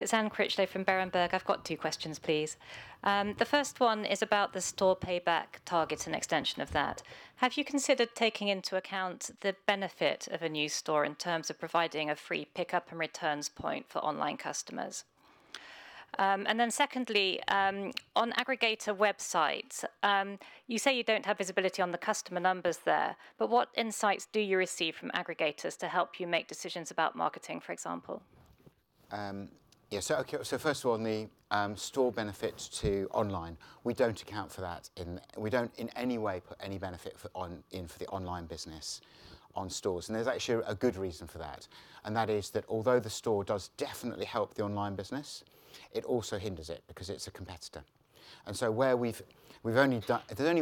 It's Anne Critchlow from Berenberg. I've got two questions, please. The first one is about the store payback targets and extension of that. Have you considered taking into account the benefit of a new store in terms of providing a free pickup and returns point for online customers? Secondly, on aggregator websites, you say you don't have visibility on the customer numbers there, but what insights do you receive from aggregators to help you make decisions about marketing, for example? First of all, on the store benefit to online, we don't account for that. We don't, in any way, put any benefit in for the online business on stores. There's actually a good reason for that. That is that although the store does definitely help the online business, it also hinders it because it's a competitor. There's only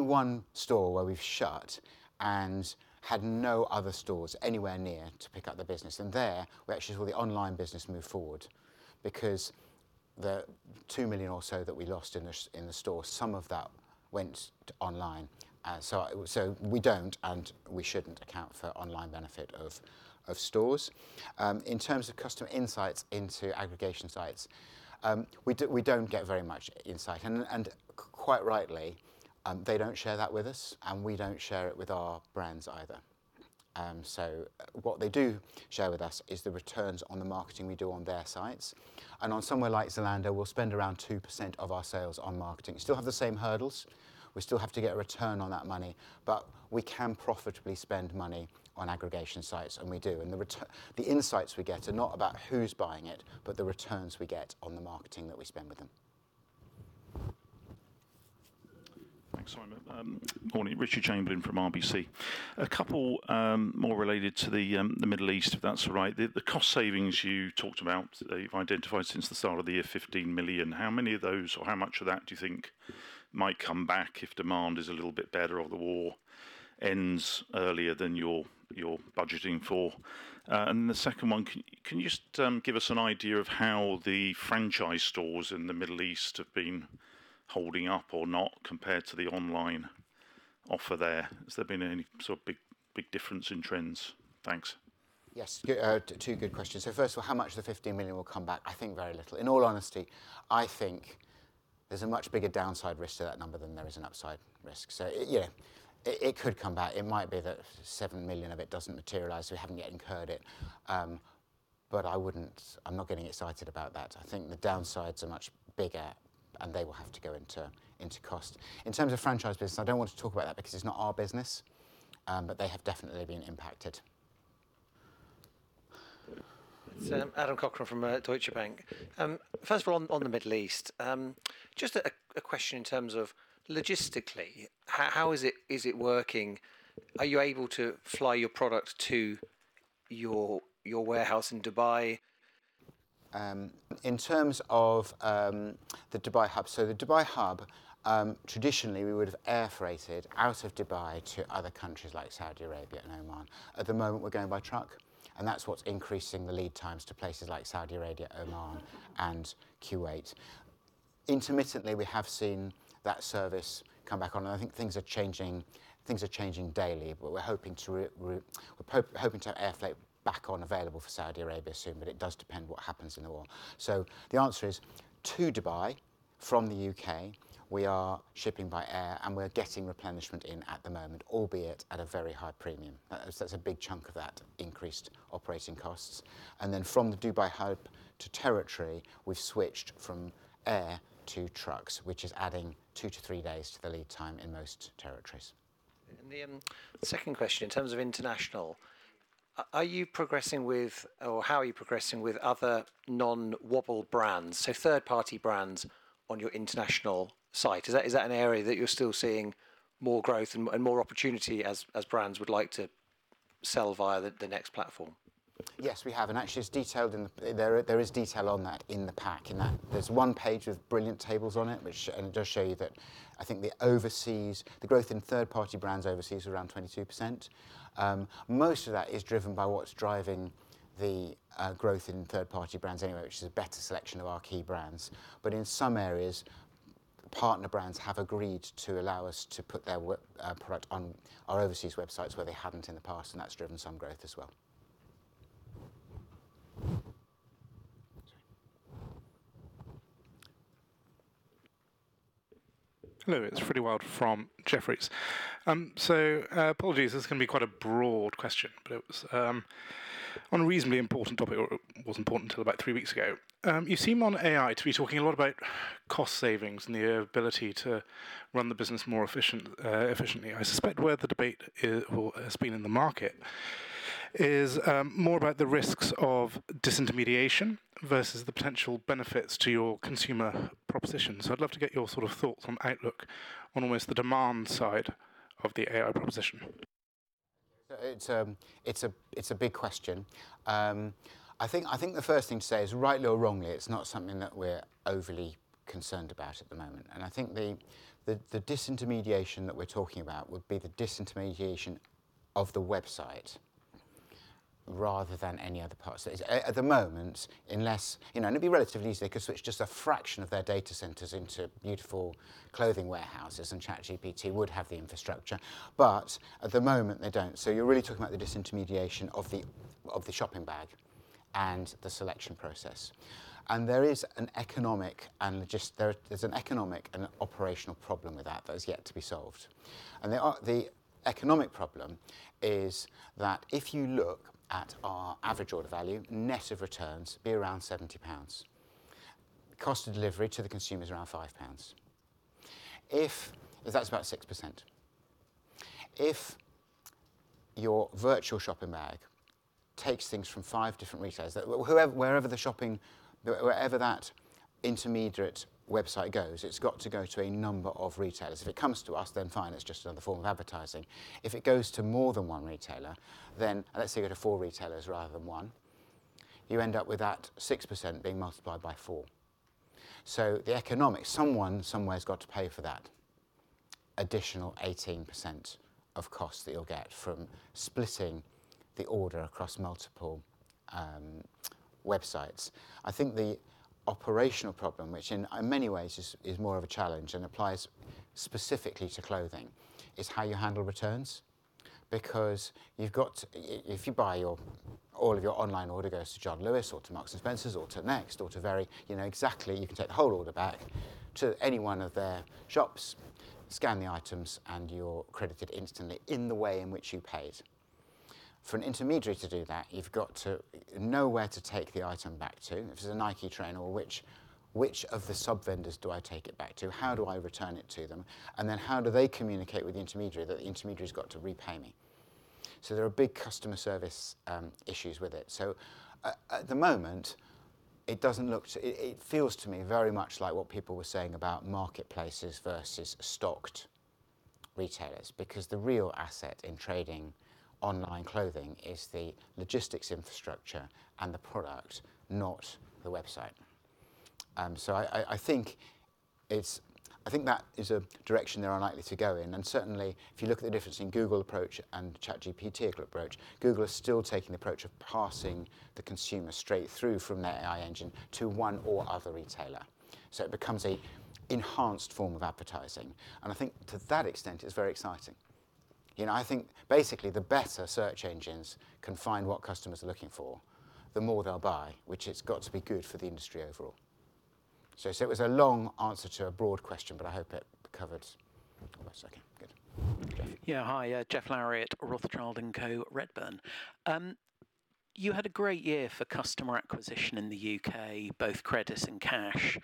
one store where we've shut and had no other stores anywhere near to pick up the business. There we actually saw the online business move forward because the 2 million or so that we lost in the store, some of that went online. We don't, and we shouldn't account for online benefit of stores. In terms of customer insights into aggregation sites, we don't get very much insight and quite rightly, they don't share that with us, and we don't share it with our brands either. What they do share with us is the returns on the marketing we do on their sites. On somewhere like Zalando, we'll spend around 2% of our sales on marketing. We still have the same hurdles. We still have to get a return on that money. We can profitably spend money on aggregation sites, and we do. The insights we get are not about who's buying it, but the returns we get on the marketing that we spend with them. Thanks, Simon. Morning. Richard Chamberlain from RBC. A couple more related to the Middle East, if that's all right. The cost savings you talked about, that you've identified since the start of the year, 15 million. How many of those or how much of that do you think might come back if demand is a little bit better or the war ends earlier than you're budgeting for? And the second one, can you just give us an idea of how the franchise stores in the Middle East have been holding up or not compared to the online offer there? Has there been any sort of big difference in trends? Thanks. Yes. Yeah, two good questions. First of all, how much of the 15 million will come back? I think very little. In all honesty, I think there's a much bigger downside risk to that number than there is an upside risk. Yeah, it could come back. It might be that 7 million of it doesn't materialize, so we haven't yet incurred it, but I'm not getting excited about that. I think the downsides are much bigger, and they will have to go into cost. In terms of franchise business, I don't want to talk about that because it's not our business, but they have definitely been impacted. It's Adam Cochrane from Deutsche Bank. First of all on the Middle East, just a question in terms of logistically, how is it, is it working? Are you able to fly your product to your warehouse in Dubai? In terms of the Dubai hub, so the Dubai hub traditionally we would have air freighted out of Dubai to other countries like Saudi Arabia and Oman. At the moment, we're going by truck, and that's what's increasing the lead times to places like Saudi Arabia, Oman and Kuwait. Intermittently, we have seen that service come back on, and I think things are changing. Things are changing daily. We're hoping to have air freight back on available for Saudi Arabia soon, but it does depend what happens in the war. The answer is to Dubai from the U.K., we are shipping by air, and we're getting replenishment in at the moment, albeit at a very high premium. It's a big chunk of that increased operating costs. From the Dubai hub to territories, we've switched from air to trucks, which is adding two to three days to the lead time in most territories. The second question in terms of international, how are you progressing with other non-wobble brands, so third-party brands on your international site? Is that an area that you're still seeing more growth and more opportunity as brands would like to sell via the NEXT platform? Yes, we have. Actually, it's detailed in the pack. There is detail on that in the pack, in that there's one page of brilliant tables on it, which does show you that I think the overseas growth in third-party brands overseas is around 22%. Most of that is driven by what's driving the growth in third-party brands anyway, which is a better selection of our key brands. In some areas partner brands have agreed to allow us to put their product on our overseas websites where they hadn't in the past, and that's driven some growth as well. Hello. It's Frederick Wild from Jefferies. Apologies, this is gonna be quite a broad question. It was on a reasonably important topic, or it was important till about three weeks ago. You seem on AI to be talking a lot about cost savings and the ability to run the business more efficiently. I suspect where the debate is or has been in the market is more about the risks of disintermediation versus the potential benefits to your consumer proposition. I'd love to get your sort of thoughts on outlook on almost the demand side of the AI proposition. It's a big question. I think the first thing to say is, rightly or wrongly it's not something that we're overly concerned about at the moment. I think the disintermediation that we're talking about would be the disintermediation of the website rather than any other parts. At the moment unless, you know, and it'd be relatively easy, they could switch just a fraction of their data centers into beautiful clothing warehouses and ChatGPT would have the infrastructure. but at the moment, they don't. You're really talking about the disintermediation of the shopping bag and the selection process. There is an economic and operational problem with that that has yet to be solved. The economic problem is that if you look at our average order value, net of returns, is around 70 pounds, cost of delivery to the consumer is around 5 pounds. That's about 6%. If your virtual shopping bag takes things from five different retailers. Wherever the shopping, wherever that intermediate website goes, it's got to go to a number of retailers. If it comes to us, then fine, it's just another form of advertising. If it goes to more than one retailer, then let's say you go to four retailers rather than one, you end up with that 6% being multiplied by 4. The economics, someone somewhere has got to pay for that additional 18% of cost that you'll get from splitting the order across multiple websites. I think the operational problem, which in many ways is more of a challenge and applies specifically to clothing, is how you handle returns vecause you've got. If you buy your, all of your online order goes to John Lewis or to Marks & Spencer, or to Next, or to Very, you know exactly you can take the whole order back to any one of their shops, scan the items, and you're credited instantly in the way in which you paid. For an intermediary to do that, you've got to know where to take the item back to. If it's a Nike trainer or which of the sub-vendors do I take it back to? How do I return it to them? Then how do they communicate with the intermediary that the intermediary's got to repay me? There are big customer service issues with it. At the moment, it doesn't look to. It feels to me very much like what people were saying about marketplaces versus stocked retailers, because the real asset in trading online clothing is the logistics infrastructure and the product, not the website. I think that is a direction they are unlikely to go in. Certainly, if you look at the difference in Google approach and ChatGPT approach, Google is still taking the approach of passing the consumer straight through from their AI engine to one or other retailer. It becomes an enhanced form of advertising. I think to that extent, it's very exciting. You know, I think basically the better search engines can find what customers are looking for, the more they'll buy, which it's got to be good for the industry overall. It was a long answer to a broad question, but I hope it covered almost like good. Yeah. Hi, Geoff Lowery at Rothschild & Co Redburn. You had a great year for customer acquisition in the U.K., both credits and cash.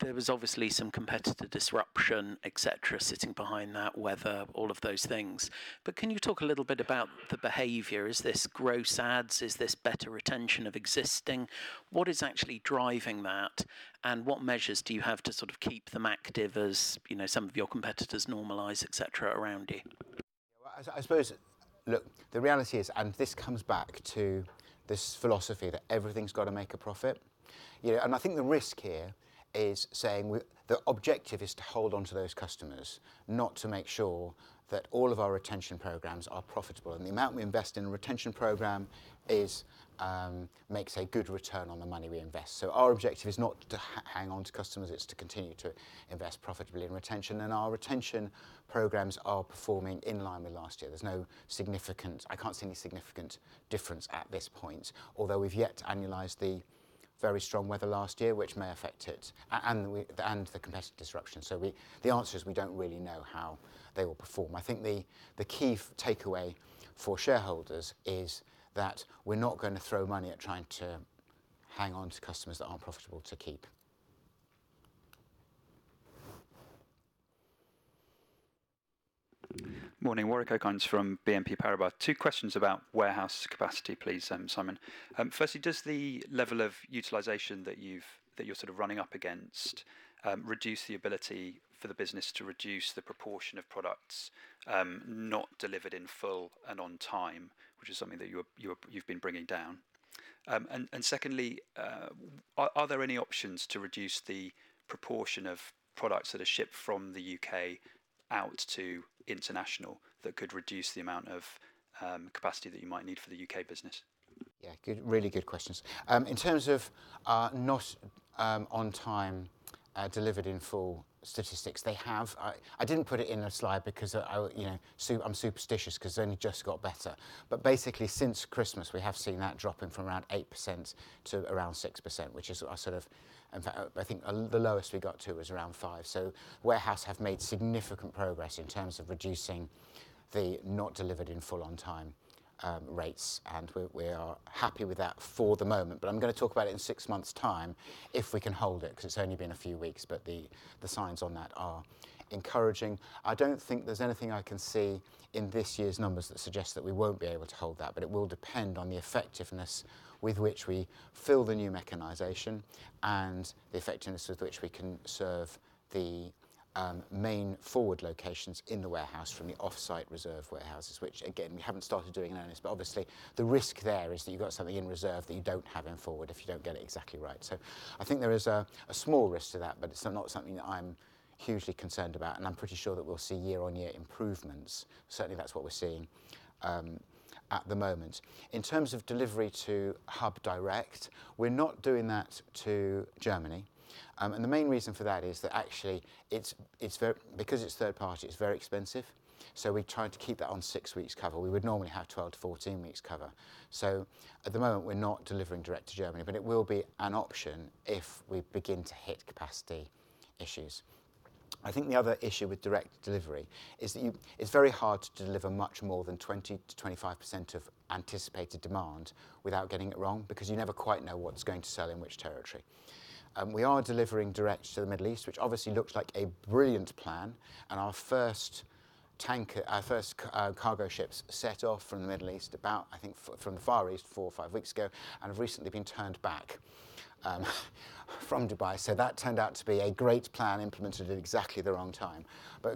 There was obviously some competitive disruption, etc., sitting behind that, weather, all of those things. But can you talk a little bit about the behavior? Is this gross adds? Is this better retention of existing? What is actually driving that? What measures do you have to sort of keep them active as, you know, some of your competitors normalize, etc., around you? I suppose. Look, the reality is, this comes back to this philosophy that everything's got to make a profit. You know, I think the risk here is the objective is to hold on to those customers, not to make sure that all of our retention programs are profitable. The amount we invest in a retention program is, makes a good return on the money we invest. Our objective is not to hang on to customers, it's to continue to invest profitably in retention. Our retention programs are performing in line with last year. I can't see any significant difference at this point, although we've yet to annualize the very strong weather last year, which may affect it, and the competitive disruption. The answer is we don't really know how they will perform. I think the key takeaway for shareholders is that we're not gonna throw money at trying to hang on to customers that aren't profitable to keep. Morning. Warwick Okines from BNP Paribas. Two questions about warehouse capacity, please, Simon. Firstly, does the level of utilization that you're sort of running up against reduce the ability for the business to reduce the proportion of products not delivered in full and on time, which is something that you've been bringing down? And secondly, are there any options to reduce the proportion of products that are shipped from the U.K., out to international that could reduce the amount of capacity that you might need for the U.K., business? Yeah. Good. Really good questions. In terms of not on time delivered in full statistics, they have. I didn't put it in a slide because you know, I'm superstitious 'cause they only just got better. Basically, since Christmas, we have seen that dropping from around 8% to around 6%, which is our sort of. In fact, I think the lowest we got to was around 5%. Warehouses have made significant progress in terms of reducing the not delivered in full on time rates, and we are happy with that for the moment. I'm gonna talk about it in six months' time if we can hold it, 'cause it's only been a few weeks, but the signs on that are encouraging. I don't think there's anything I can see in this year's numbers that suggests that we won't be able to hold that, but it will depend on the effectiveness with which we fill the new mechanization and the effectiveness with which we can serve the main forward locations in the warehouse from the off-site reserve warehouses, which again, we haven't started doing in earnest, but obviously the risk there is that you've got something in reserve that you don't have in forward if you don't get it exactly right. I think there is a small risk to that, but it's not something that I'm hugely concerned about, and I'm pretty sure that we'll see year-on-year improvements. Certainly, that's what we're seeing at the moment. In terms of delivery to hub direct, we're not doing that to Germany. The main reason for that is that actually because it's third party, it's very expensive, so we try to keep that on six weeks cover. We would normally have 12-14 weeks cover. At the moment we're not delivering direct to Germany, but it will be an option if we begin to hit capacity issues. I think the other issue with direct delivery is that it's very hard to deliver much more than 20%-25% of anticipated demand without getting it wrong, because you never quite know what's going to sell in which territory. We are delivering direct to the Middle East, which obviously looks like a brilliant plan, and our first cargo ships set off from the Far East four or five weeks ago, and have recently been turned back from Dubai. That turned out to be a great plan implemented at exactly the wrong time.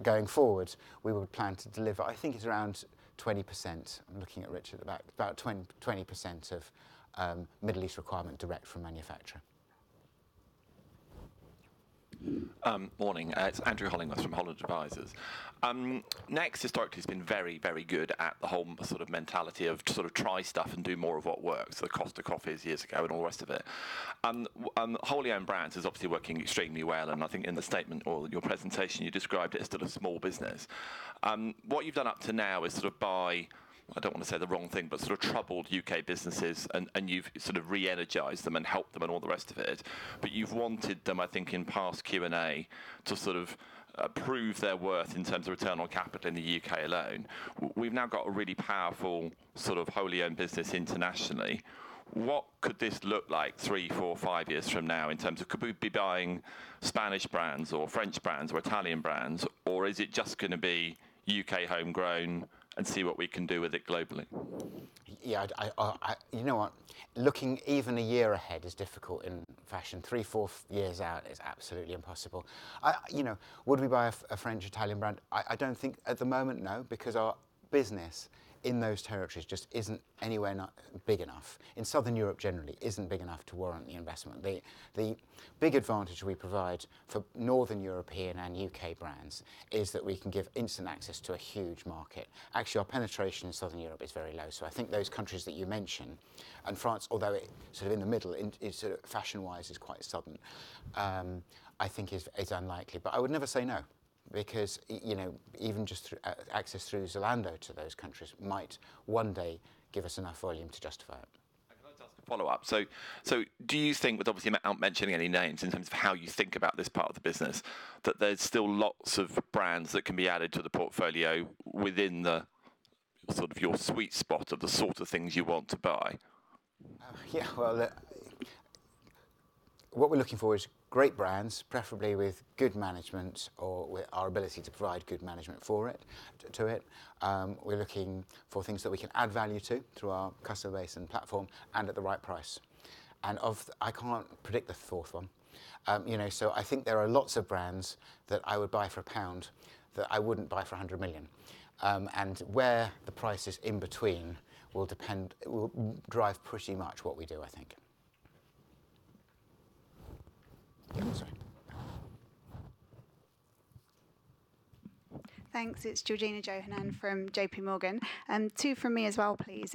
Going forward, we would plan to deliver. I think it's around 20%. I'm looking at Richard, about 20% of Middle East requirement direct from manufacturer. Morning. It's Andrew Hollingworth from Holland Advisors. Next historically has been very good at the whole sort of mentality of to sort of try stuff and do more of what works. The Costa Coffee's years ago and all the rest of it. Wholly owned brands is obviously working extremely well, and I think in the statement or your presentation, you described it as still a small business. What you've done up to now is sort of buy, I don't want to say the wrong thing, but sort of troubled U.K., businesses and you've sort of re-energized them and helped them and all the rest of it. You've wanted them, I think in past Q&A, to sort of prove their worth in terms of return on capital in the U.K., alone. We've now got a really powerful sort of wholly owned business internationally. What could this look like three, four, five years from now in terms of could we be buying Spanish brands or French brands or Italian brands or is it just gonna be U.K. homegrown and see what we can do with it globally? Yeah. You know what? Looking even a year ahead is difficult in fashion. Three, four years out is absolutely impossible. You know, would we buy a French, Italian brand? I don't think at the moment, no, because our business in those territories just isn't anywhere near big enough. In Southern Europe generally, isn't big enough to warrant the investment. The big advantage we provide for Northern European and U.K., brands is that we can give instant access to a huge market. Actually, our penetration in Southern Europe is very low. I think those countries that you mentioned, and France, although it sort of in the middle, in sort of fashion-wise is quite southern. I think is unlikely. I would never say no, because you know, even just through access through Zalando to those countries might one day give us enough volume to justify it. I'd like to ask a follow-up. Do you think, with obviously without mentioning any names in terms of how you think about this part of the business, that there's still lots of brands that can be added to the portfolio within the sort of your sweet spot of the sort of things you want to buy? Well, what we're looking for is great brands, preferably with good management or with our ability to provide good management for it, to it. We're looking for things that we can add value to through our customer base and platform and at the right price. I can't predict the fourth one. You know, I think there are lots of brands that I would buy for GBP 1 that I wouldn't buy for 100 million, and where the price is in between will drive pretty much what we do, I think. Thanks. It's Georgina Johanan from JPMorgan. Two from me as well, please.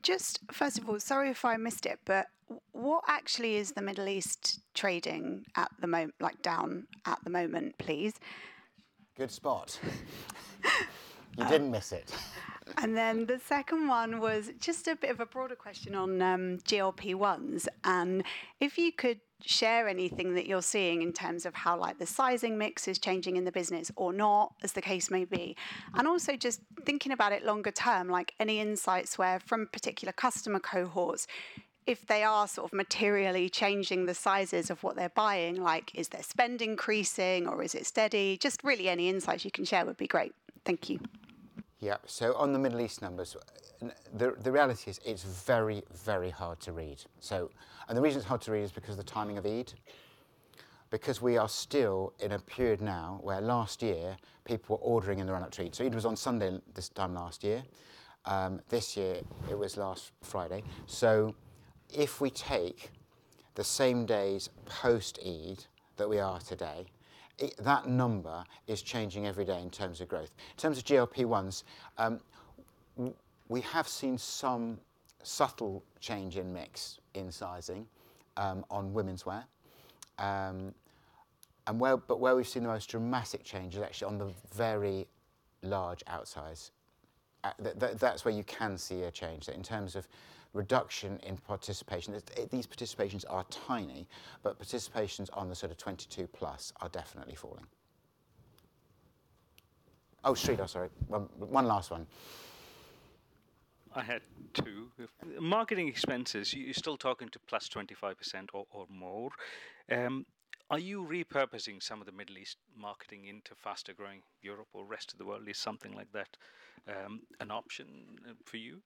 Just first of all, sorry if I missed it, but what actually is the Middle East trading at the moment, like down at the moment, please? Good spot. You didn't miss it. The second one was just a bit of a broader question on GLP-1s. If you could share anything that you're seeing in terms of how like the sizing mix is changing in the business or not, as the case may be. Also just thinking about it longer term, like any insights from particular customer cohorts, if they are sort of materially changing the sizes of what they're buying, like is their spend increasing or is it steady? Just really any insights you can share would be great. Thank you. Yeah. On the Middle East numbers, the reality is it's very, very hard to read. The reason it's hard to read is because the timing of Eid because we are still in a period now where last year people were ordering in the run-up to Eid. Eid was on Sunday this time last year. This year it was last Friday. If we take the same day's post-Eid that we are today, that number is changing every day in terms of growth. In terms of GLP-1s, we have seen some subtle change in mix in sizing on womenswear, but where we've seen the most dramatic change is actually on the very large outsize. That's where you can see a change. In terms of reduction in participation, these participations are tiny, but participations on the sort of 22+ are definitely falling. Oh, Sreedhar, sorry. One last one. I had two. Marketing expenses, you're still talking to +25% or more. Are you repurposing some of the Middle East marketing into faster-growing Europe or rest of the world? Is something like that an option for you?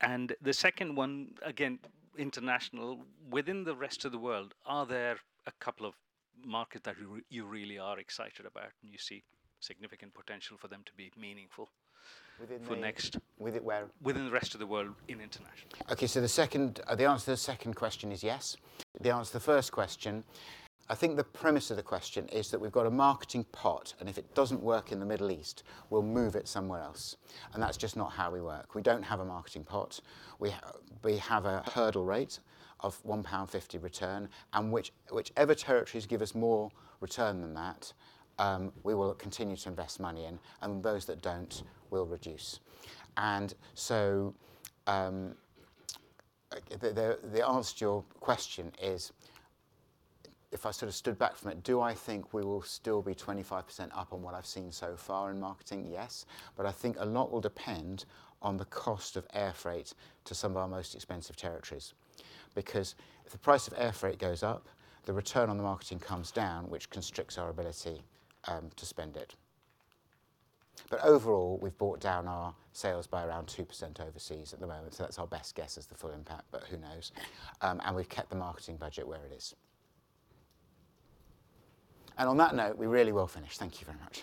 The second one, again, international. Within the rest of the world, are there a couple of markets that you really are excited about and you see significant potential for them to be meaningful- Within the- For next- Within where? Within the rest of the world in international. Okay. The answer to the second question is yes. The answer to the first question, I think the premise of the question is that we've got a marketing pot, and if it doesn't work in the Middle East, we'll move it somewhere else, and that's just not how we work. We don't have a marketing pot. We have a hurdle rate of 1.50 pound return, and whichever territories give us more return than that, we will continue to invest money in, and those that don't, we'll reduce. The answer to your question is, if I sort of stood back from it, do I think we will still be 25% up on what I've seen so far in marketing? Yes. I think a lot will depend on the cost of air freight to some of our most expensive territories ecause if the price of air freight goes up, the return on the marketing comes down, which constricts our ability to spend it. Overall, we've brought down our sales by around 2% overseas at the moment. That's our best guess as the full impact, but who knows? We've kept the marketing budget where it is. On that note, we really will finish. Thank you very much.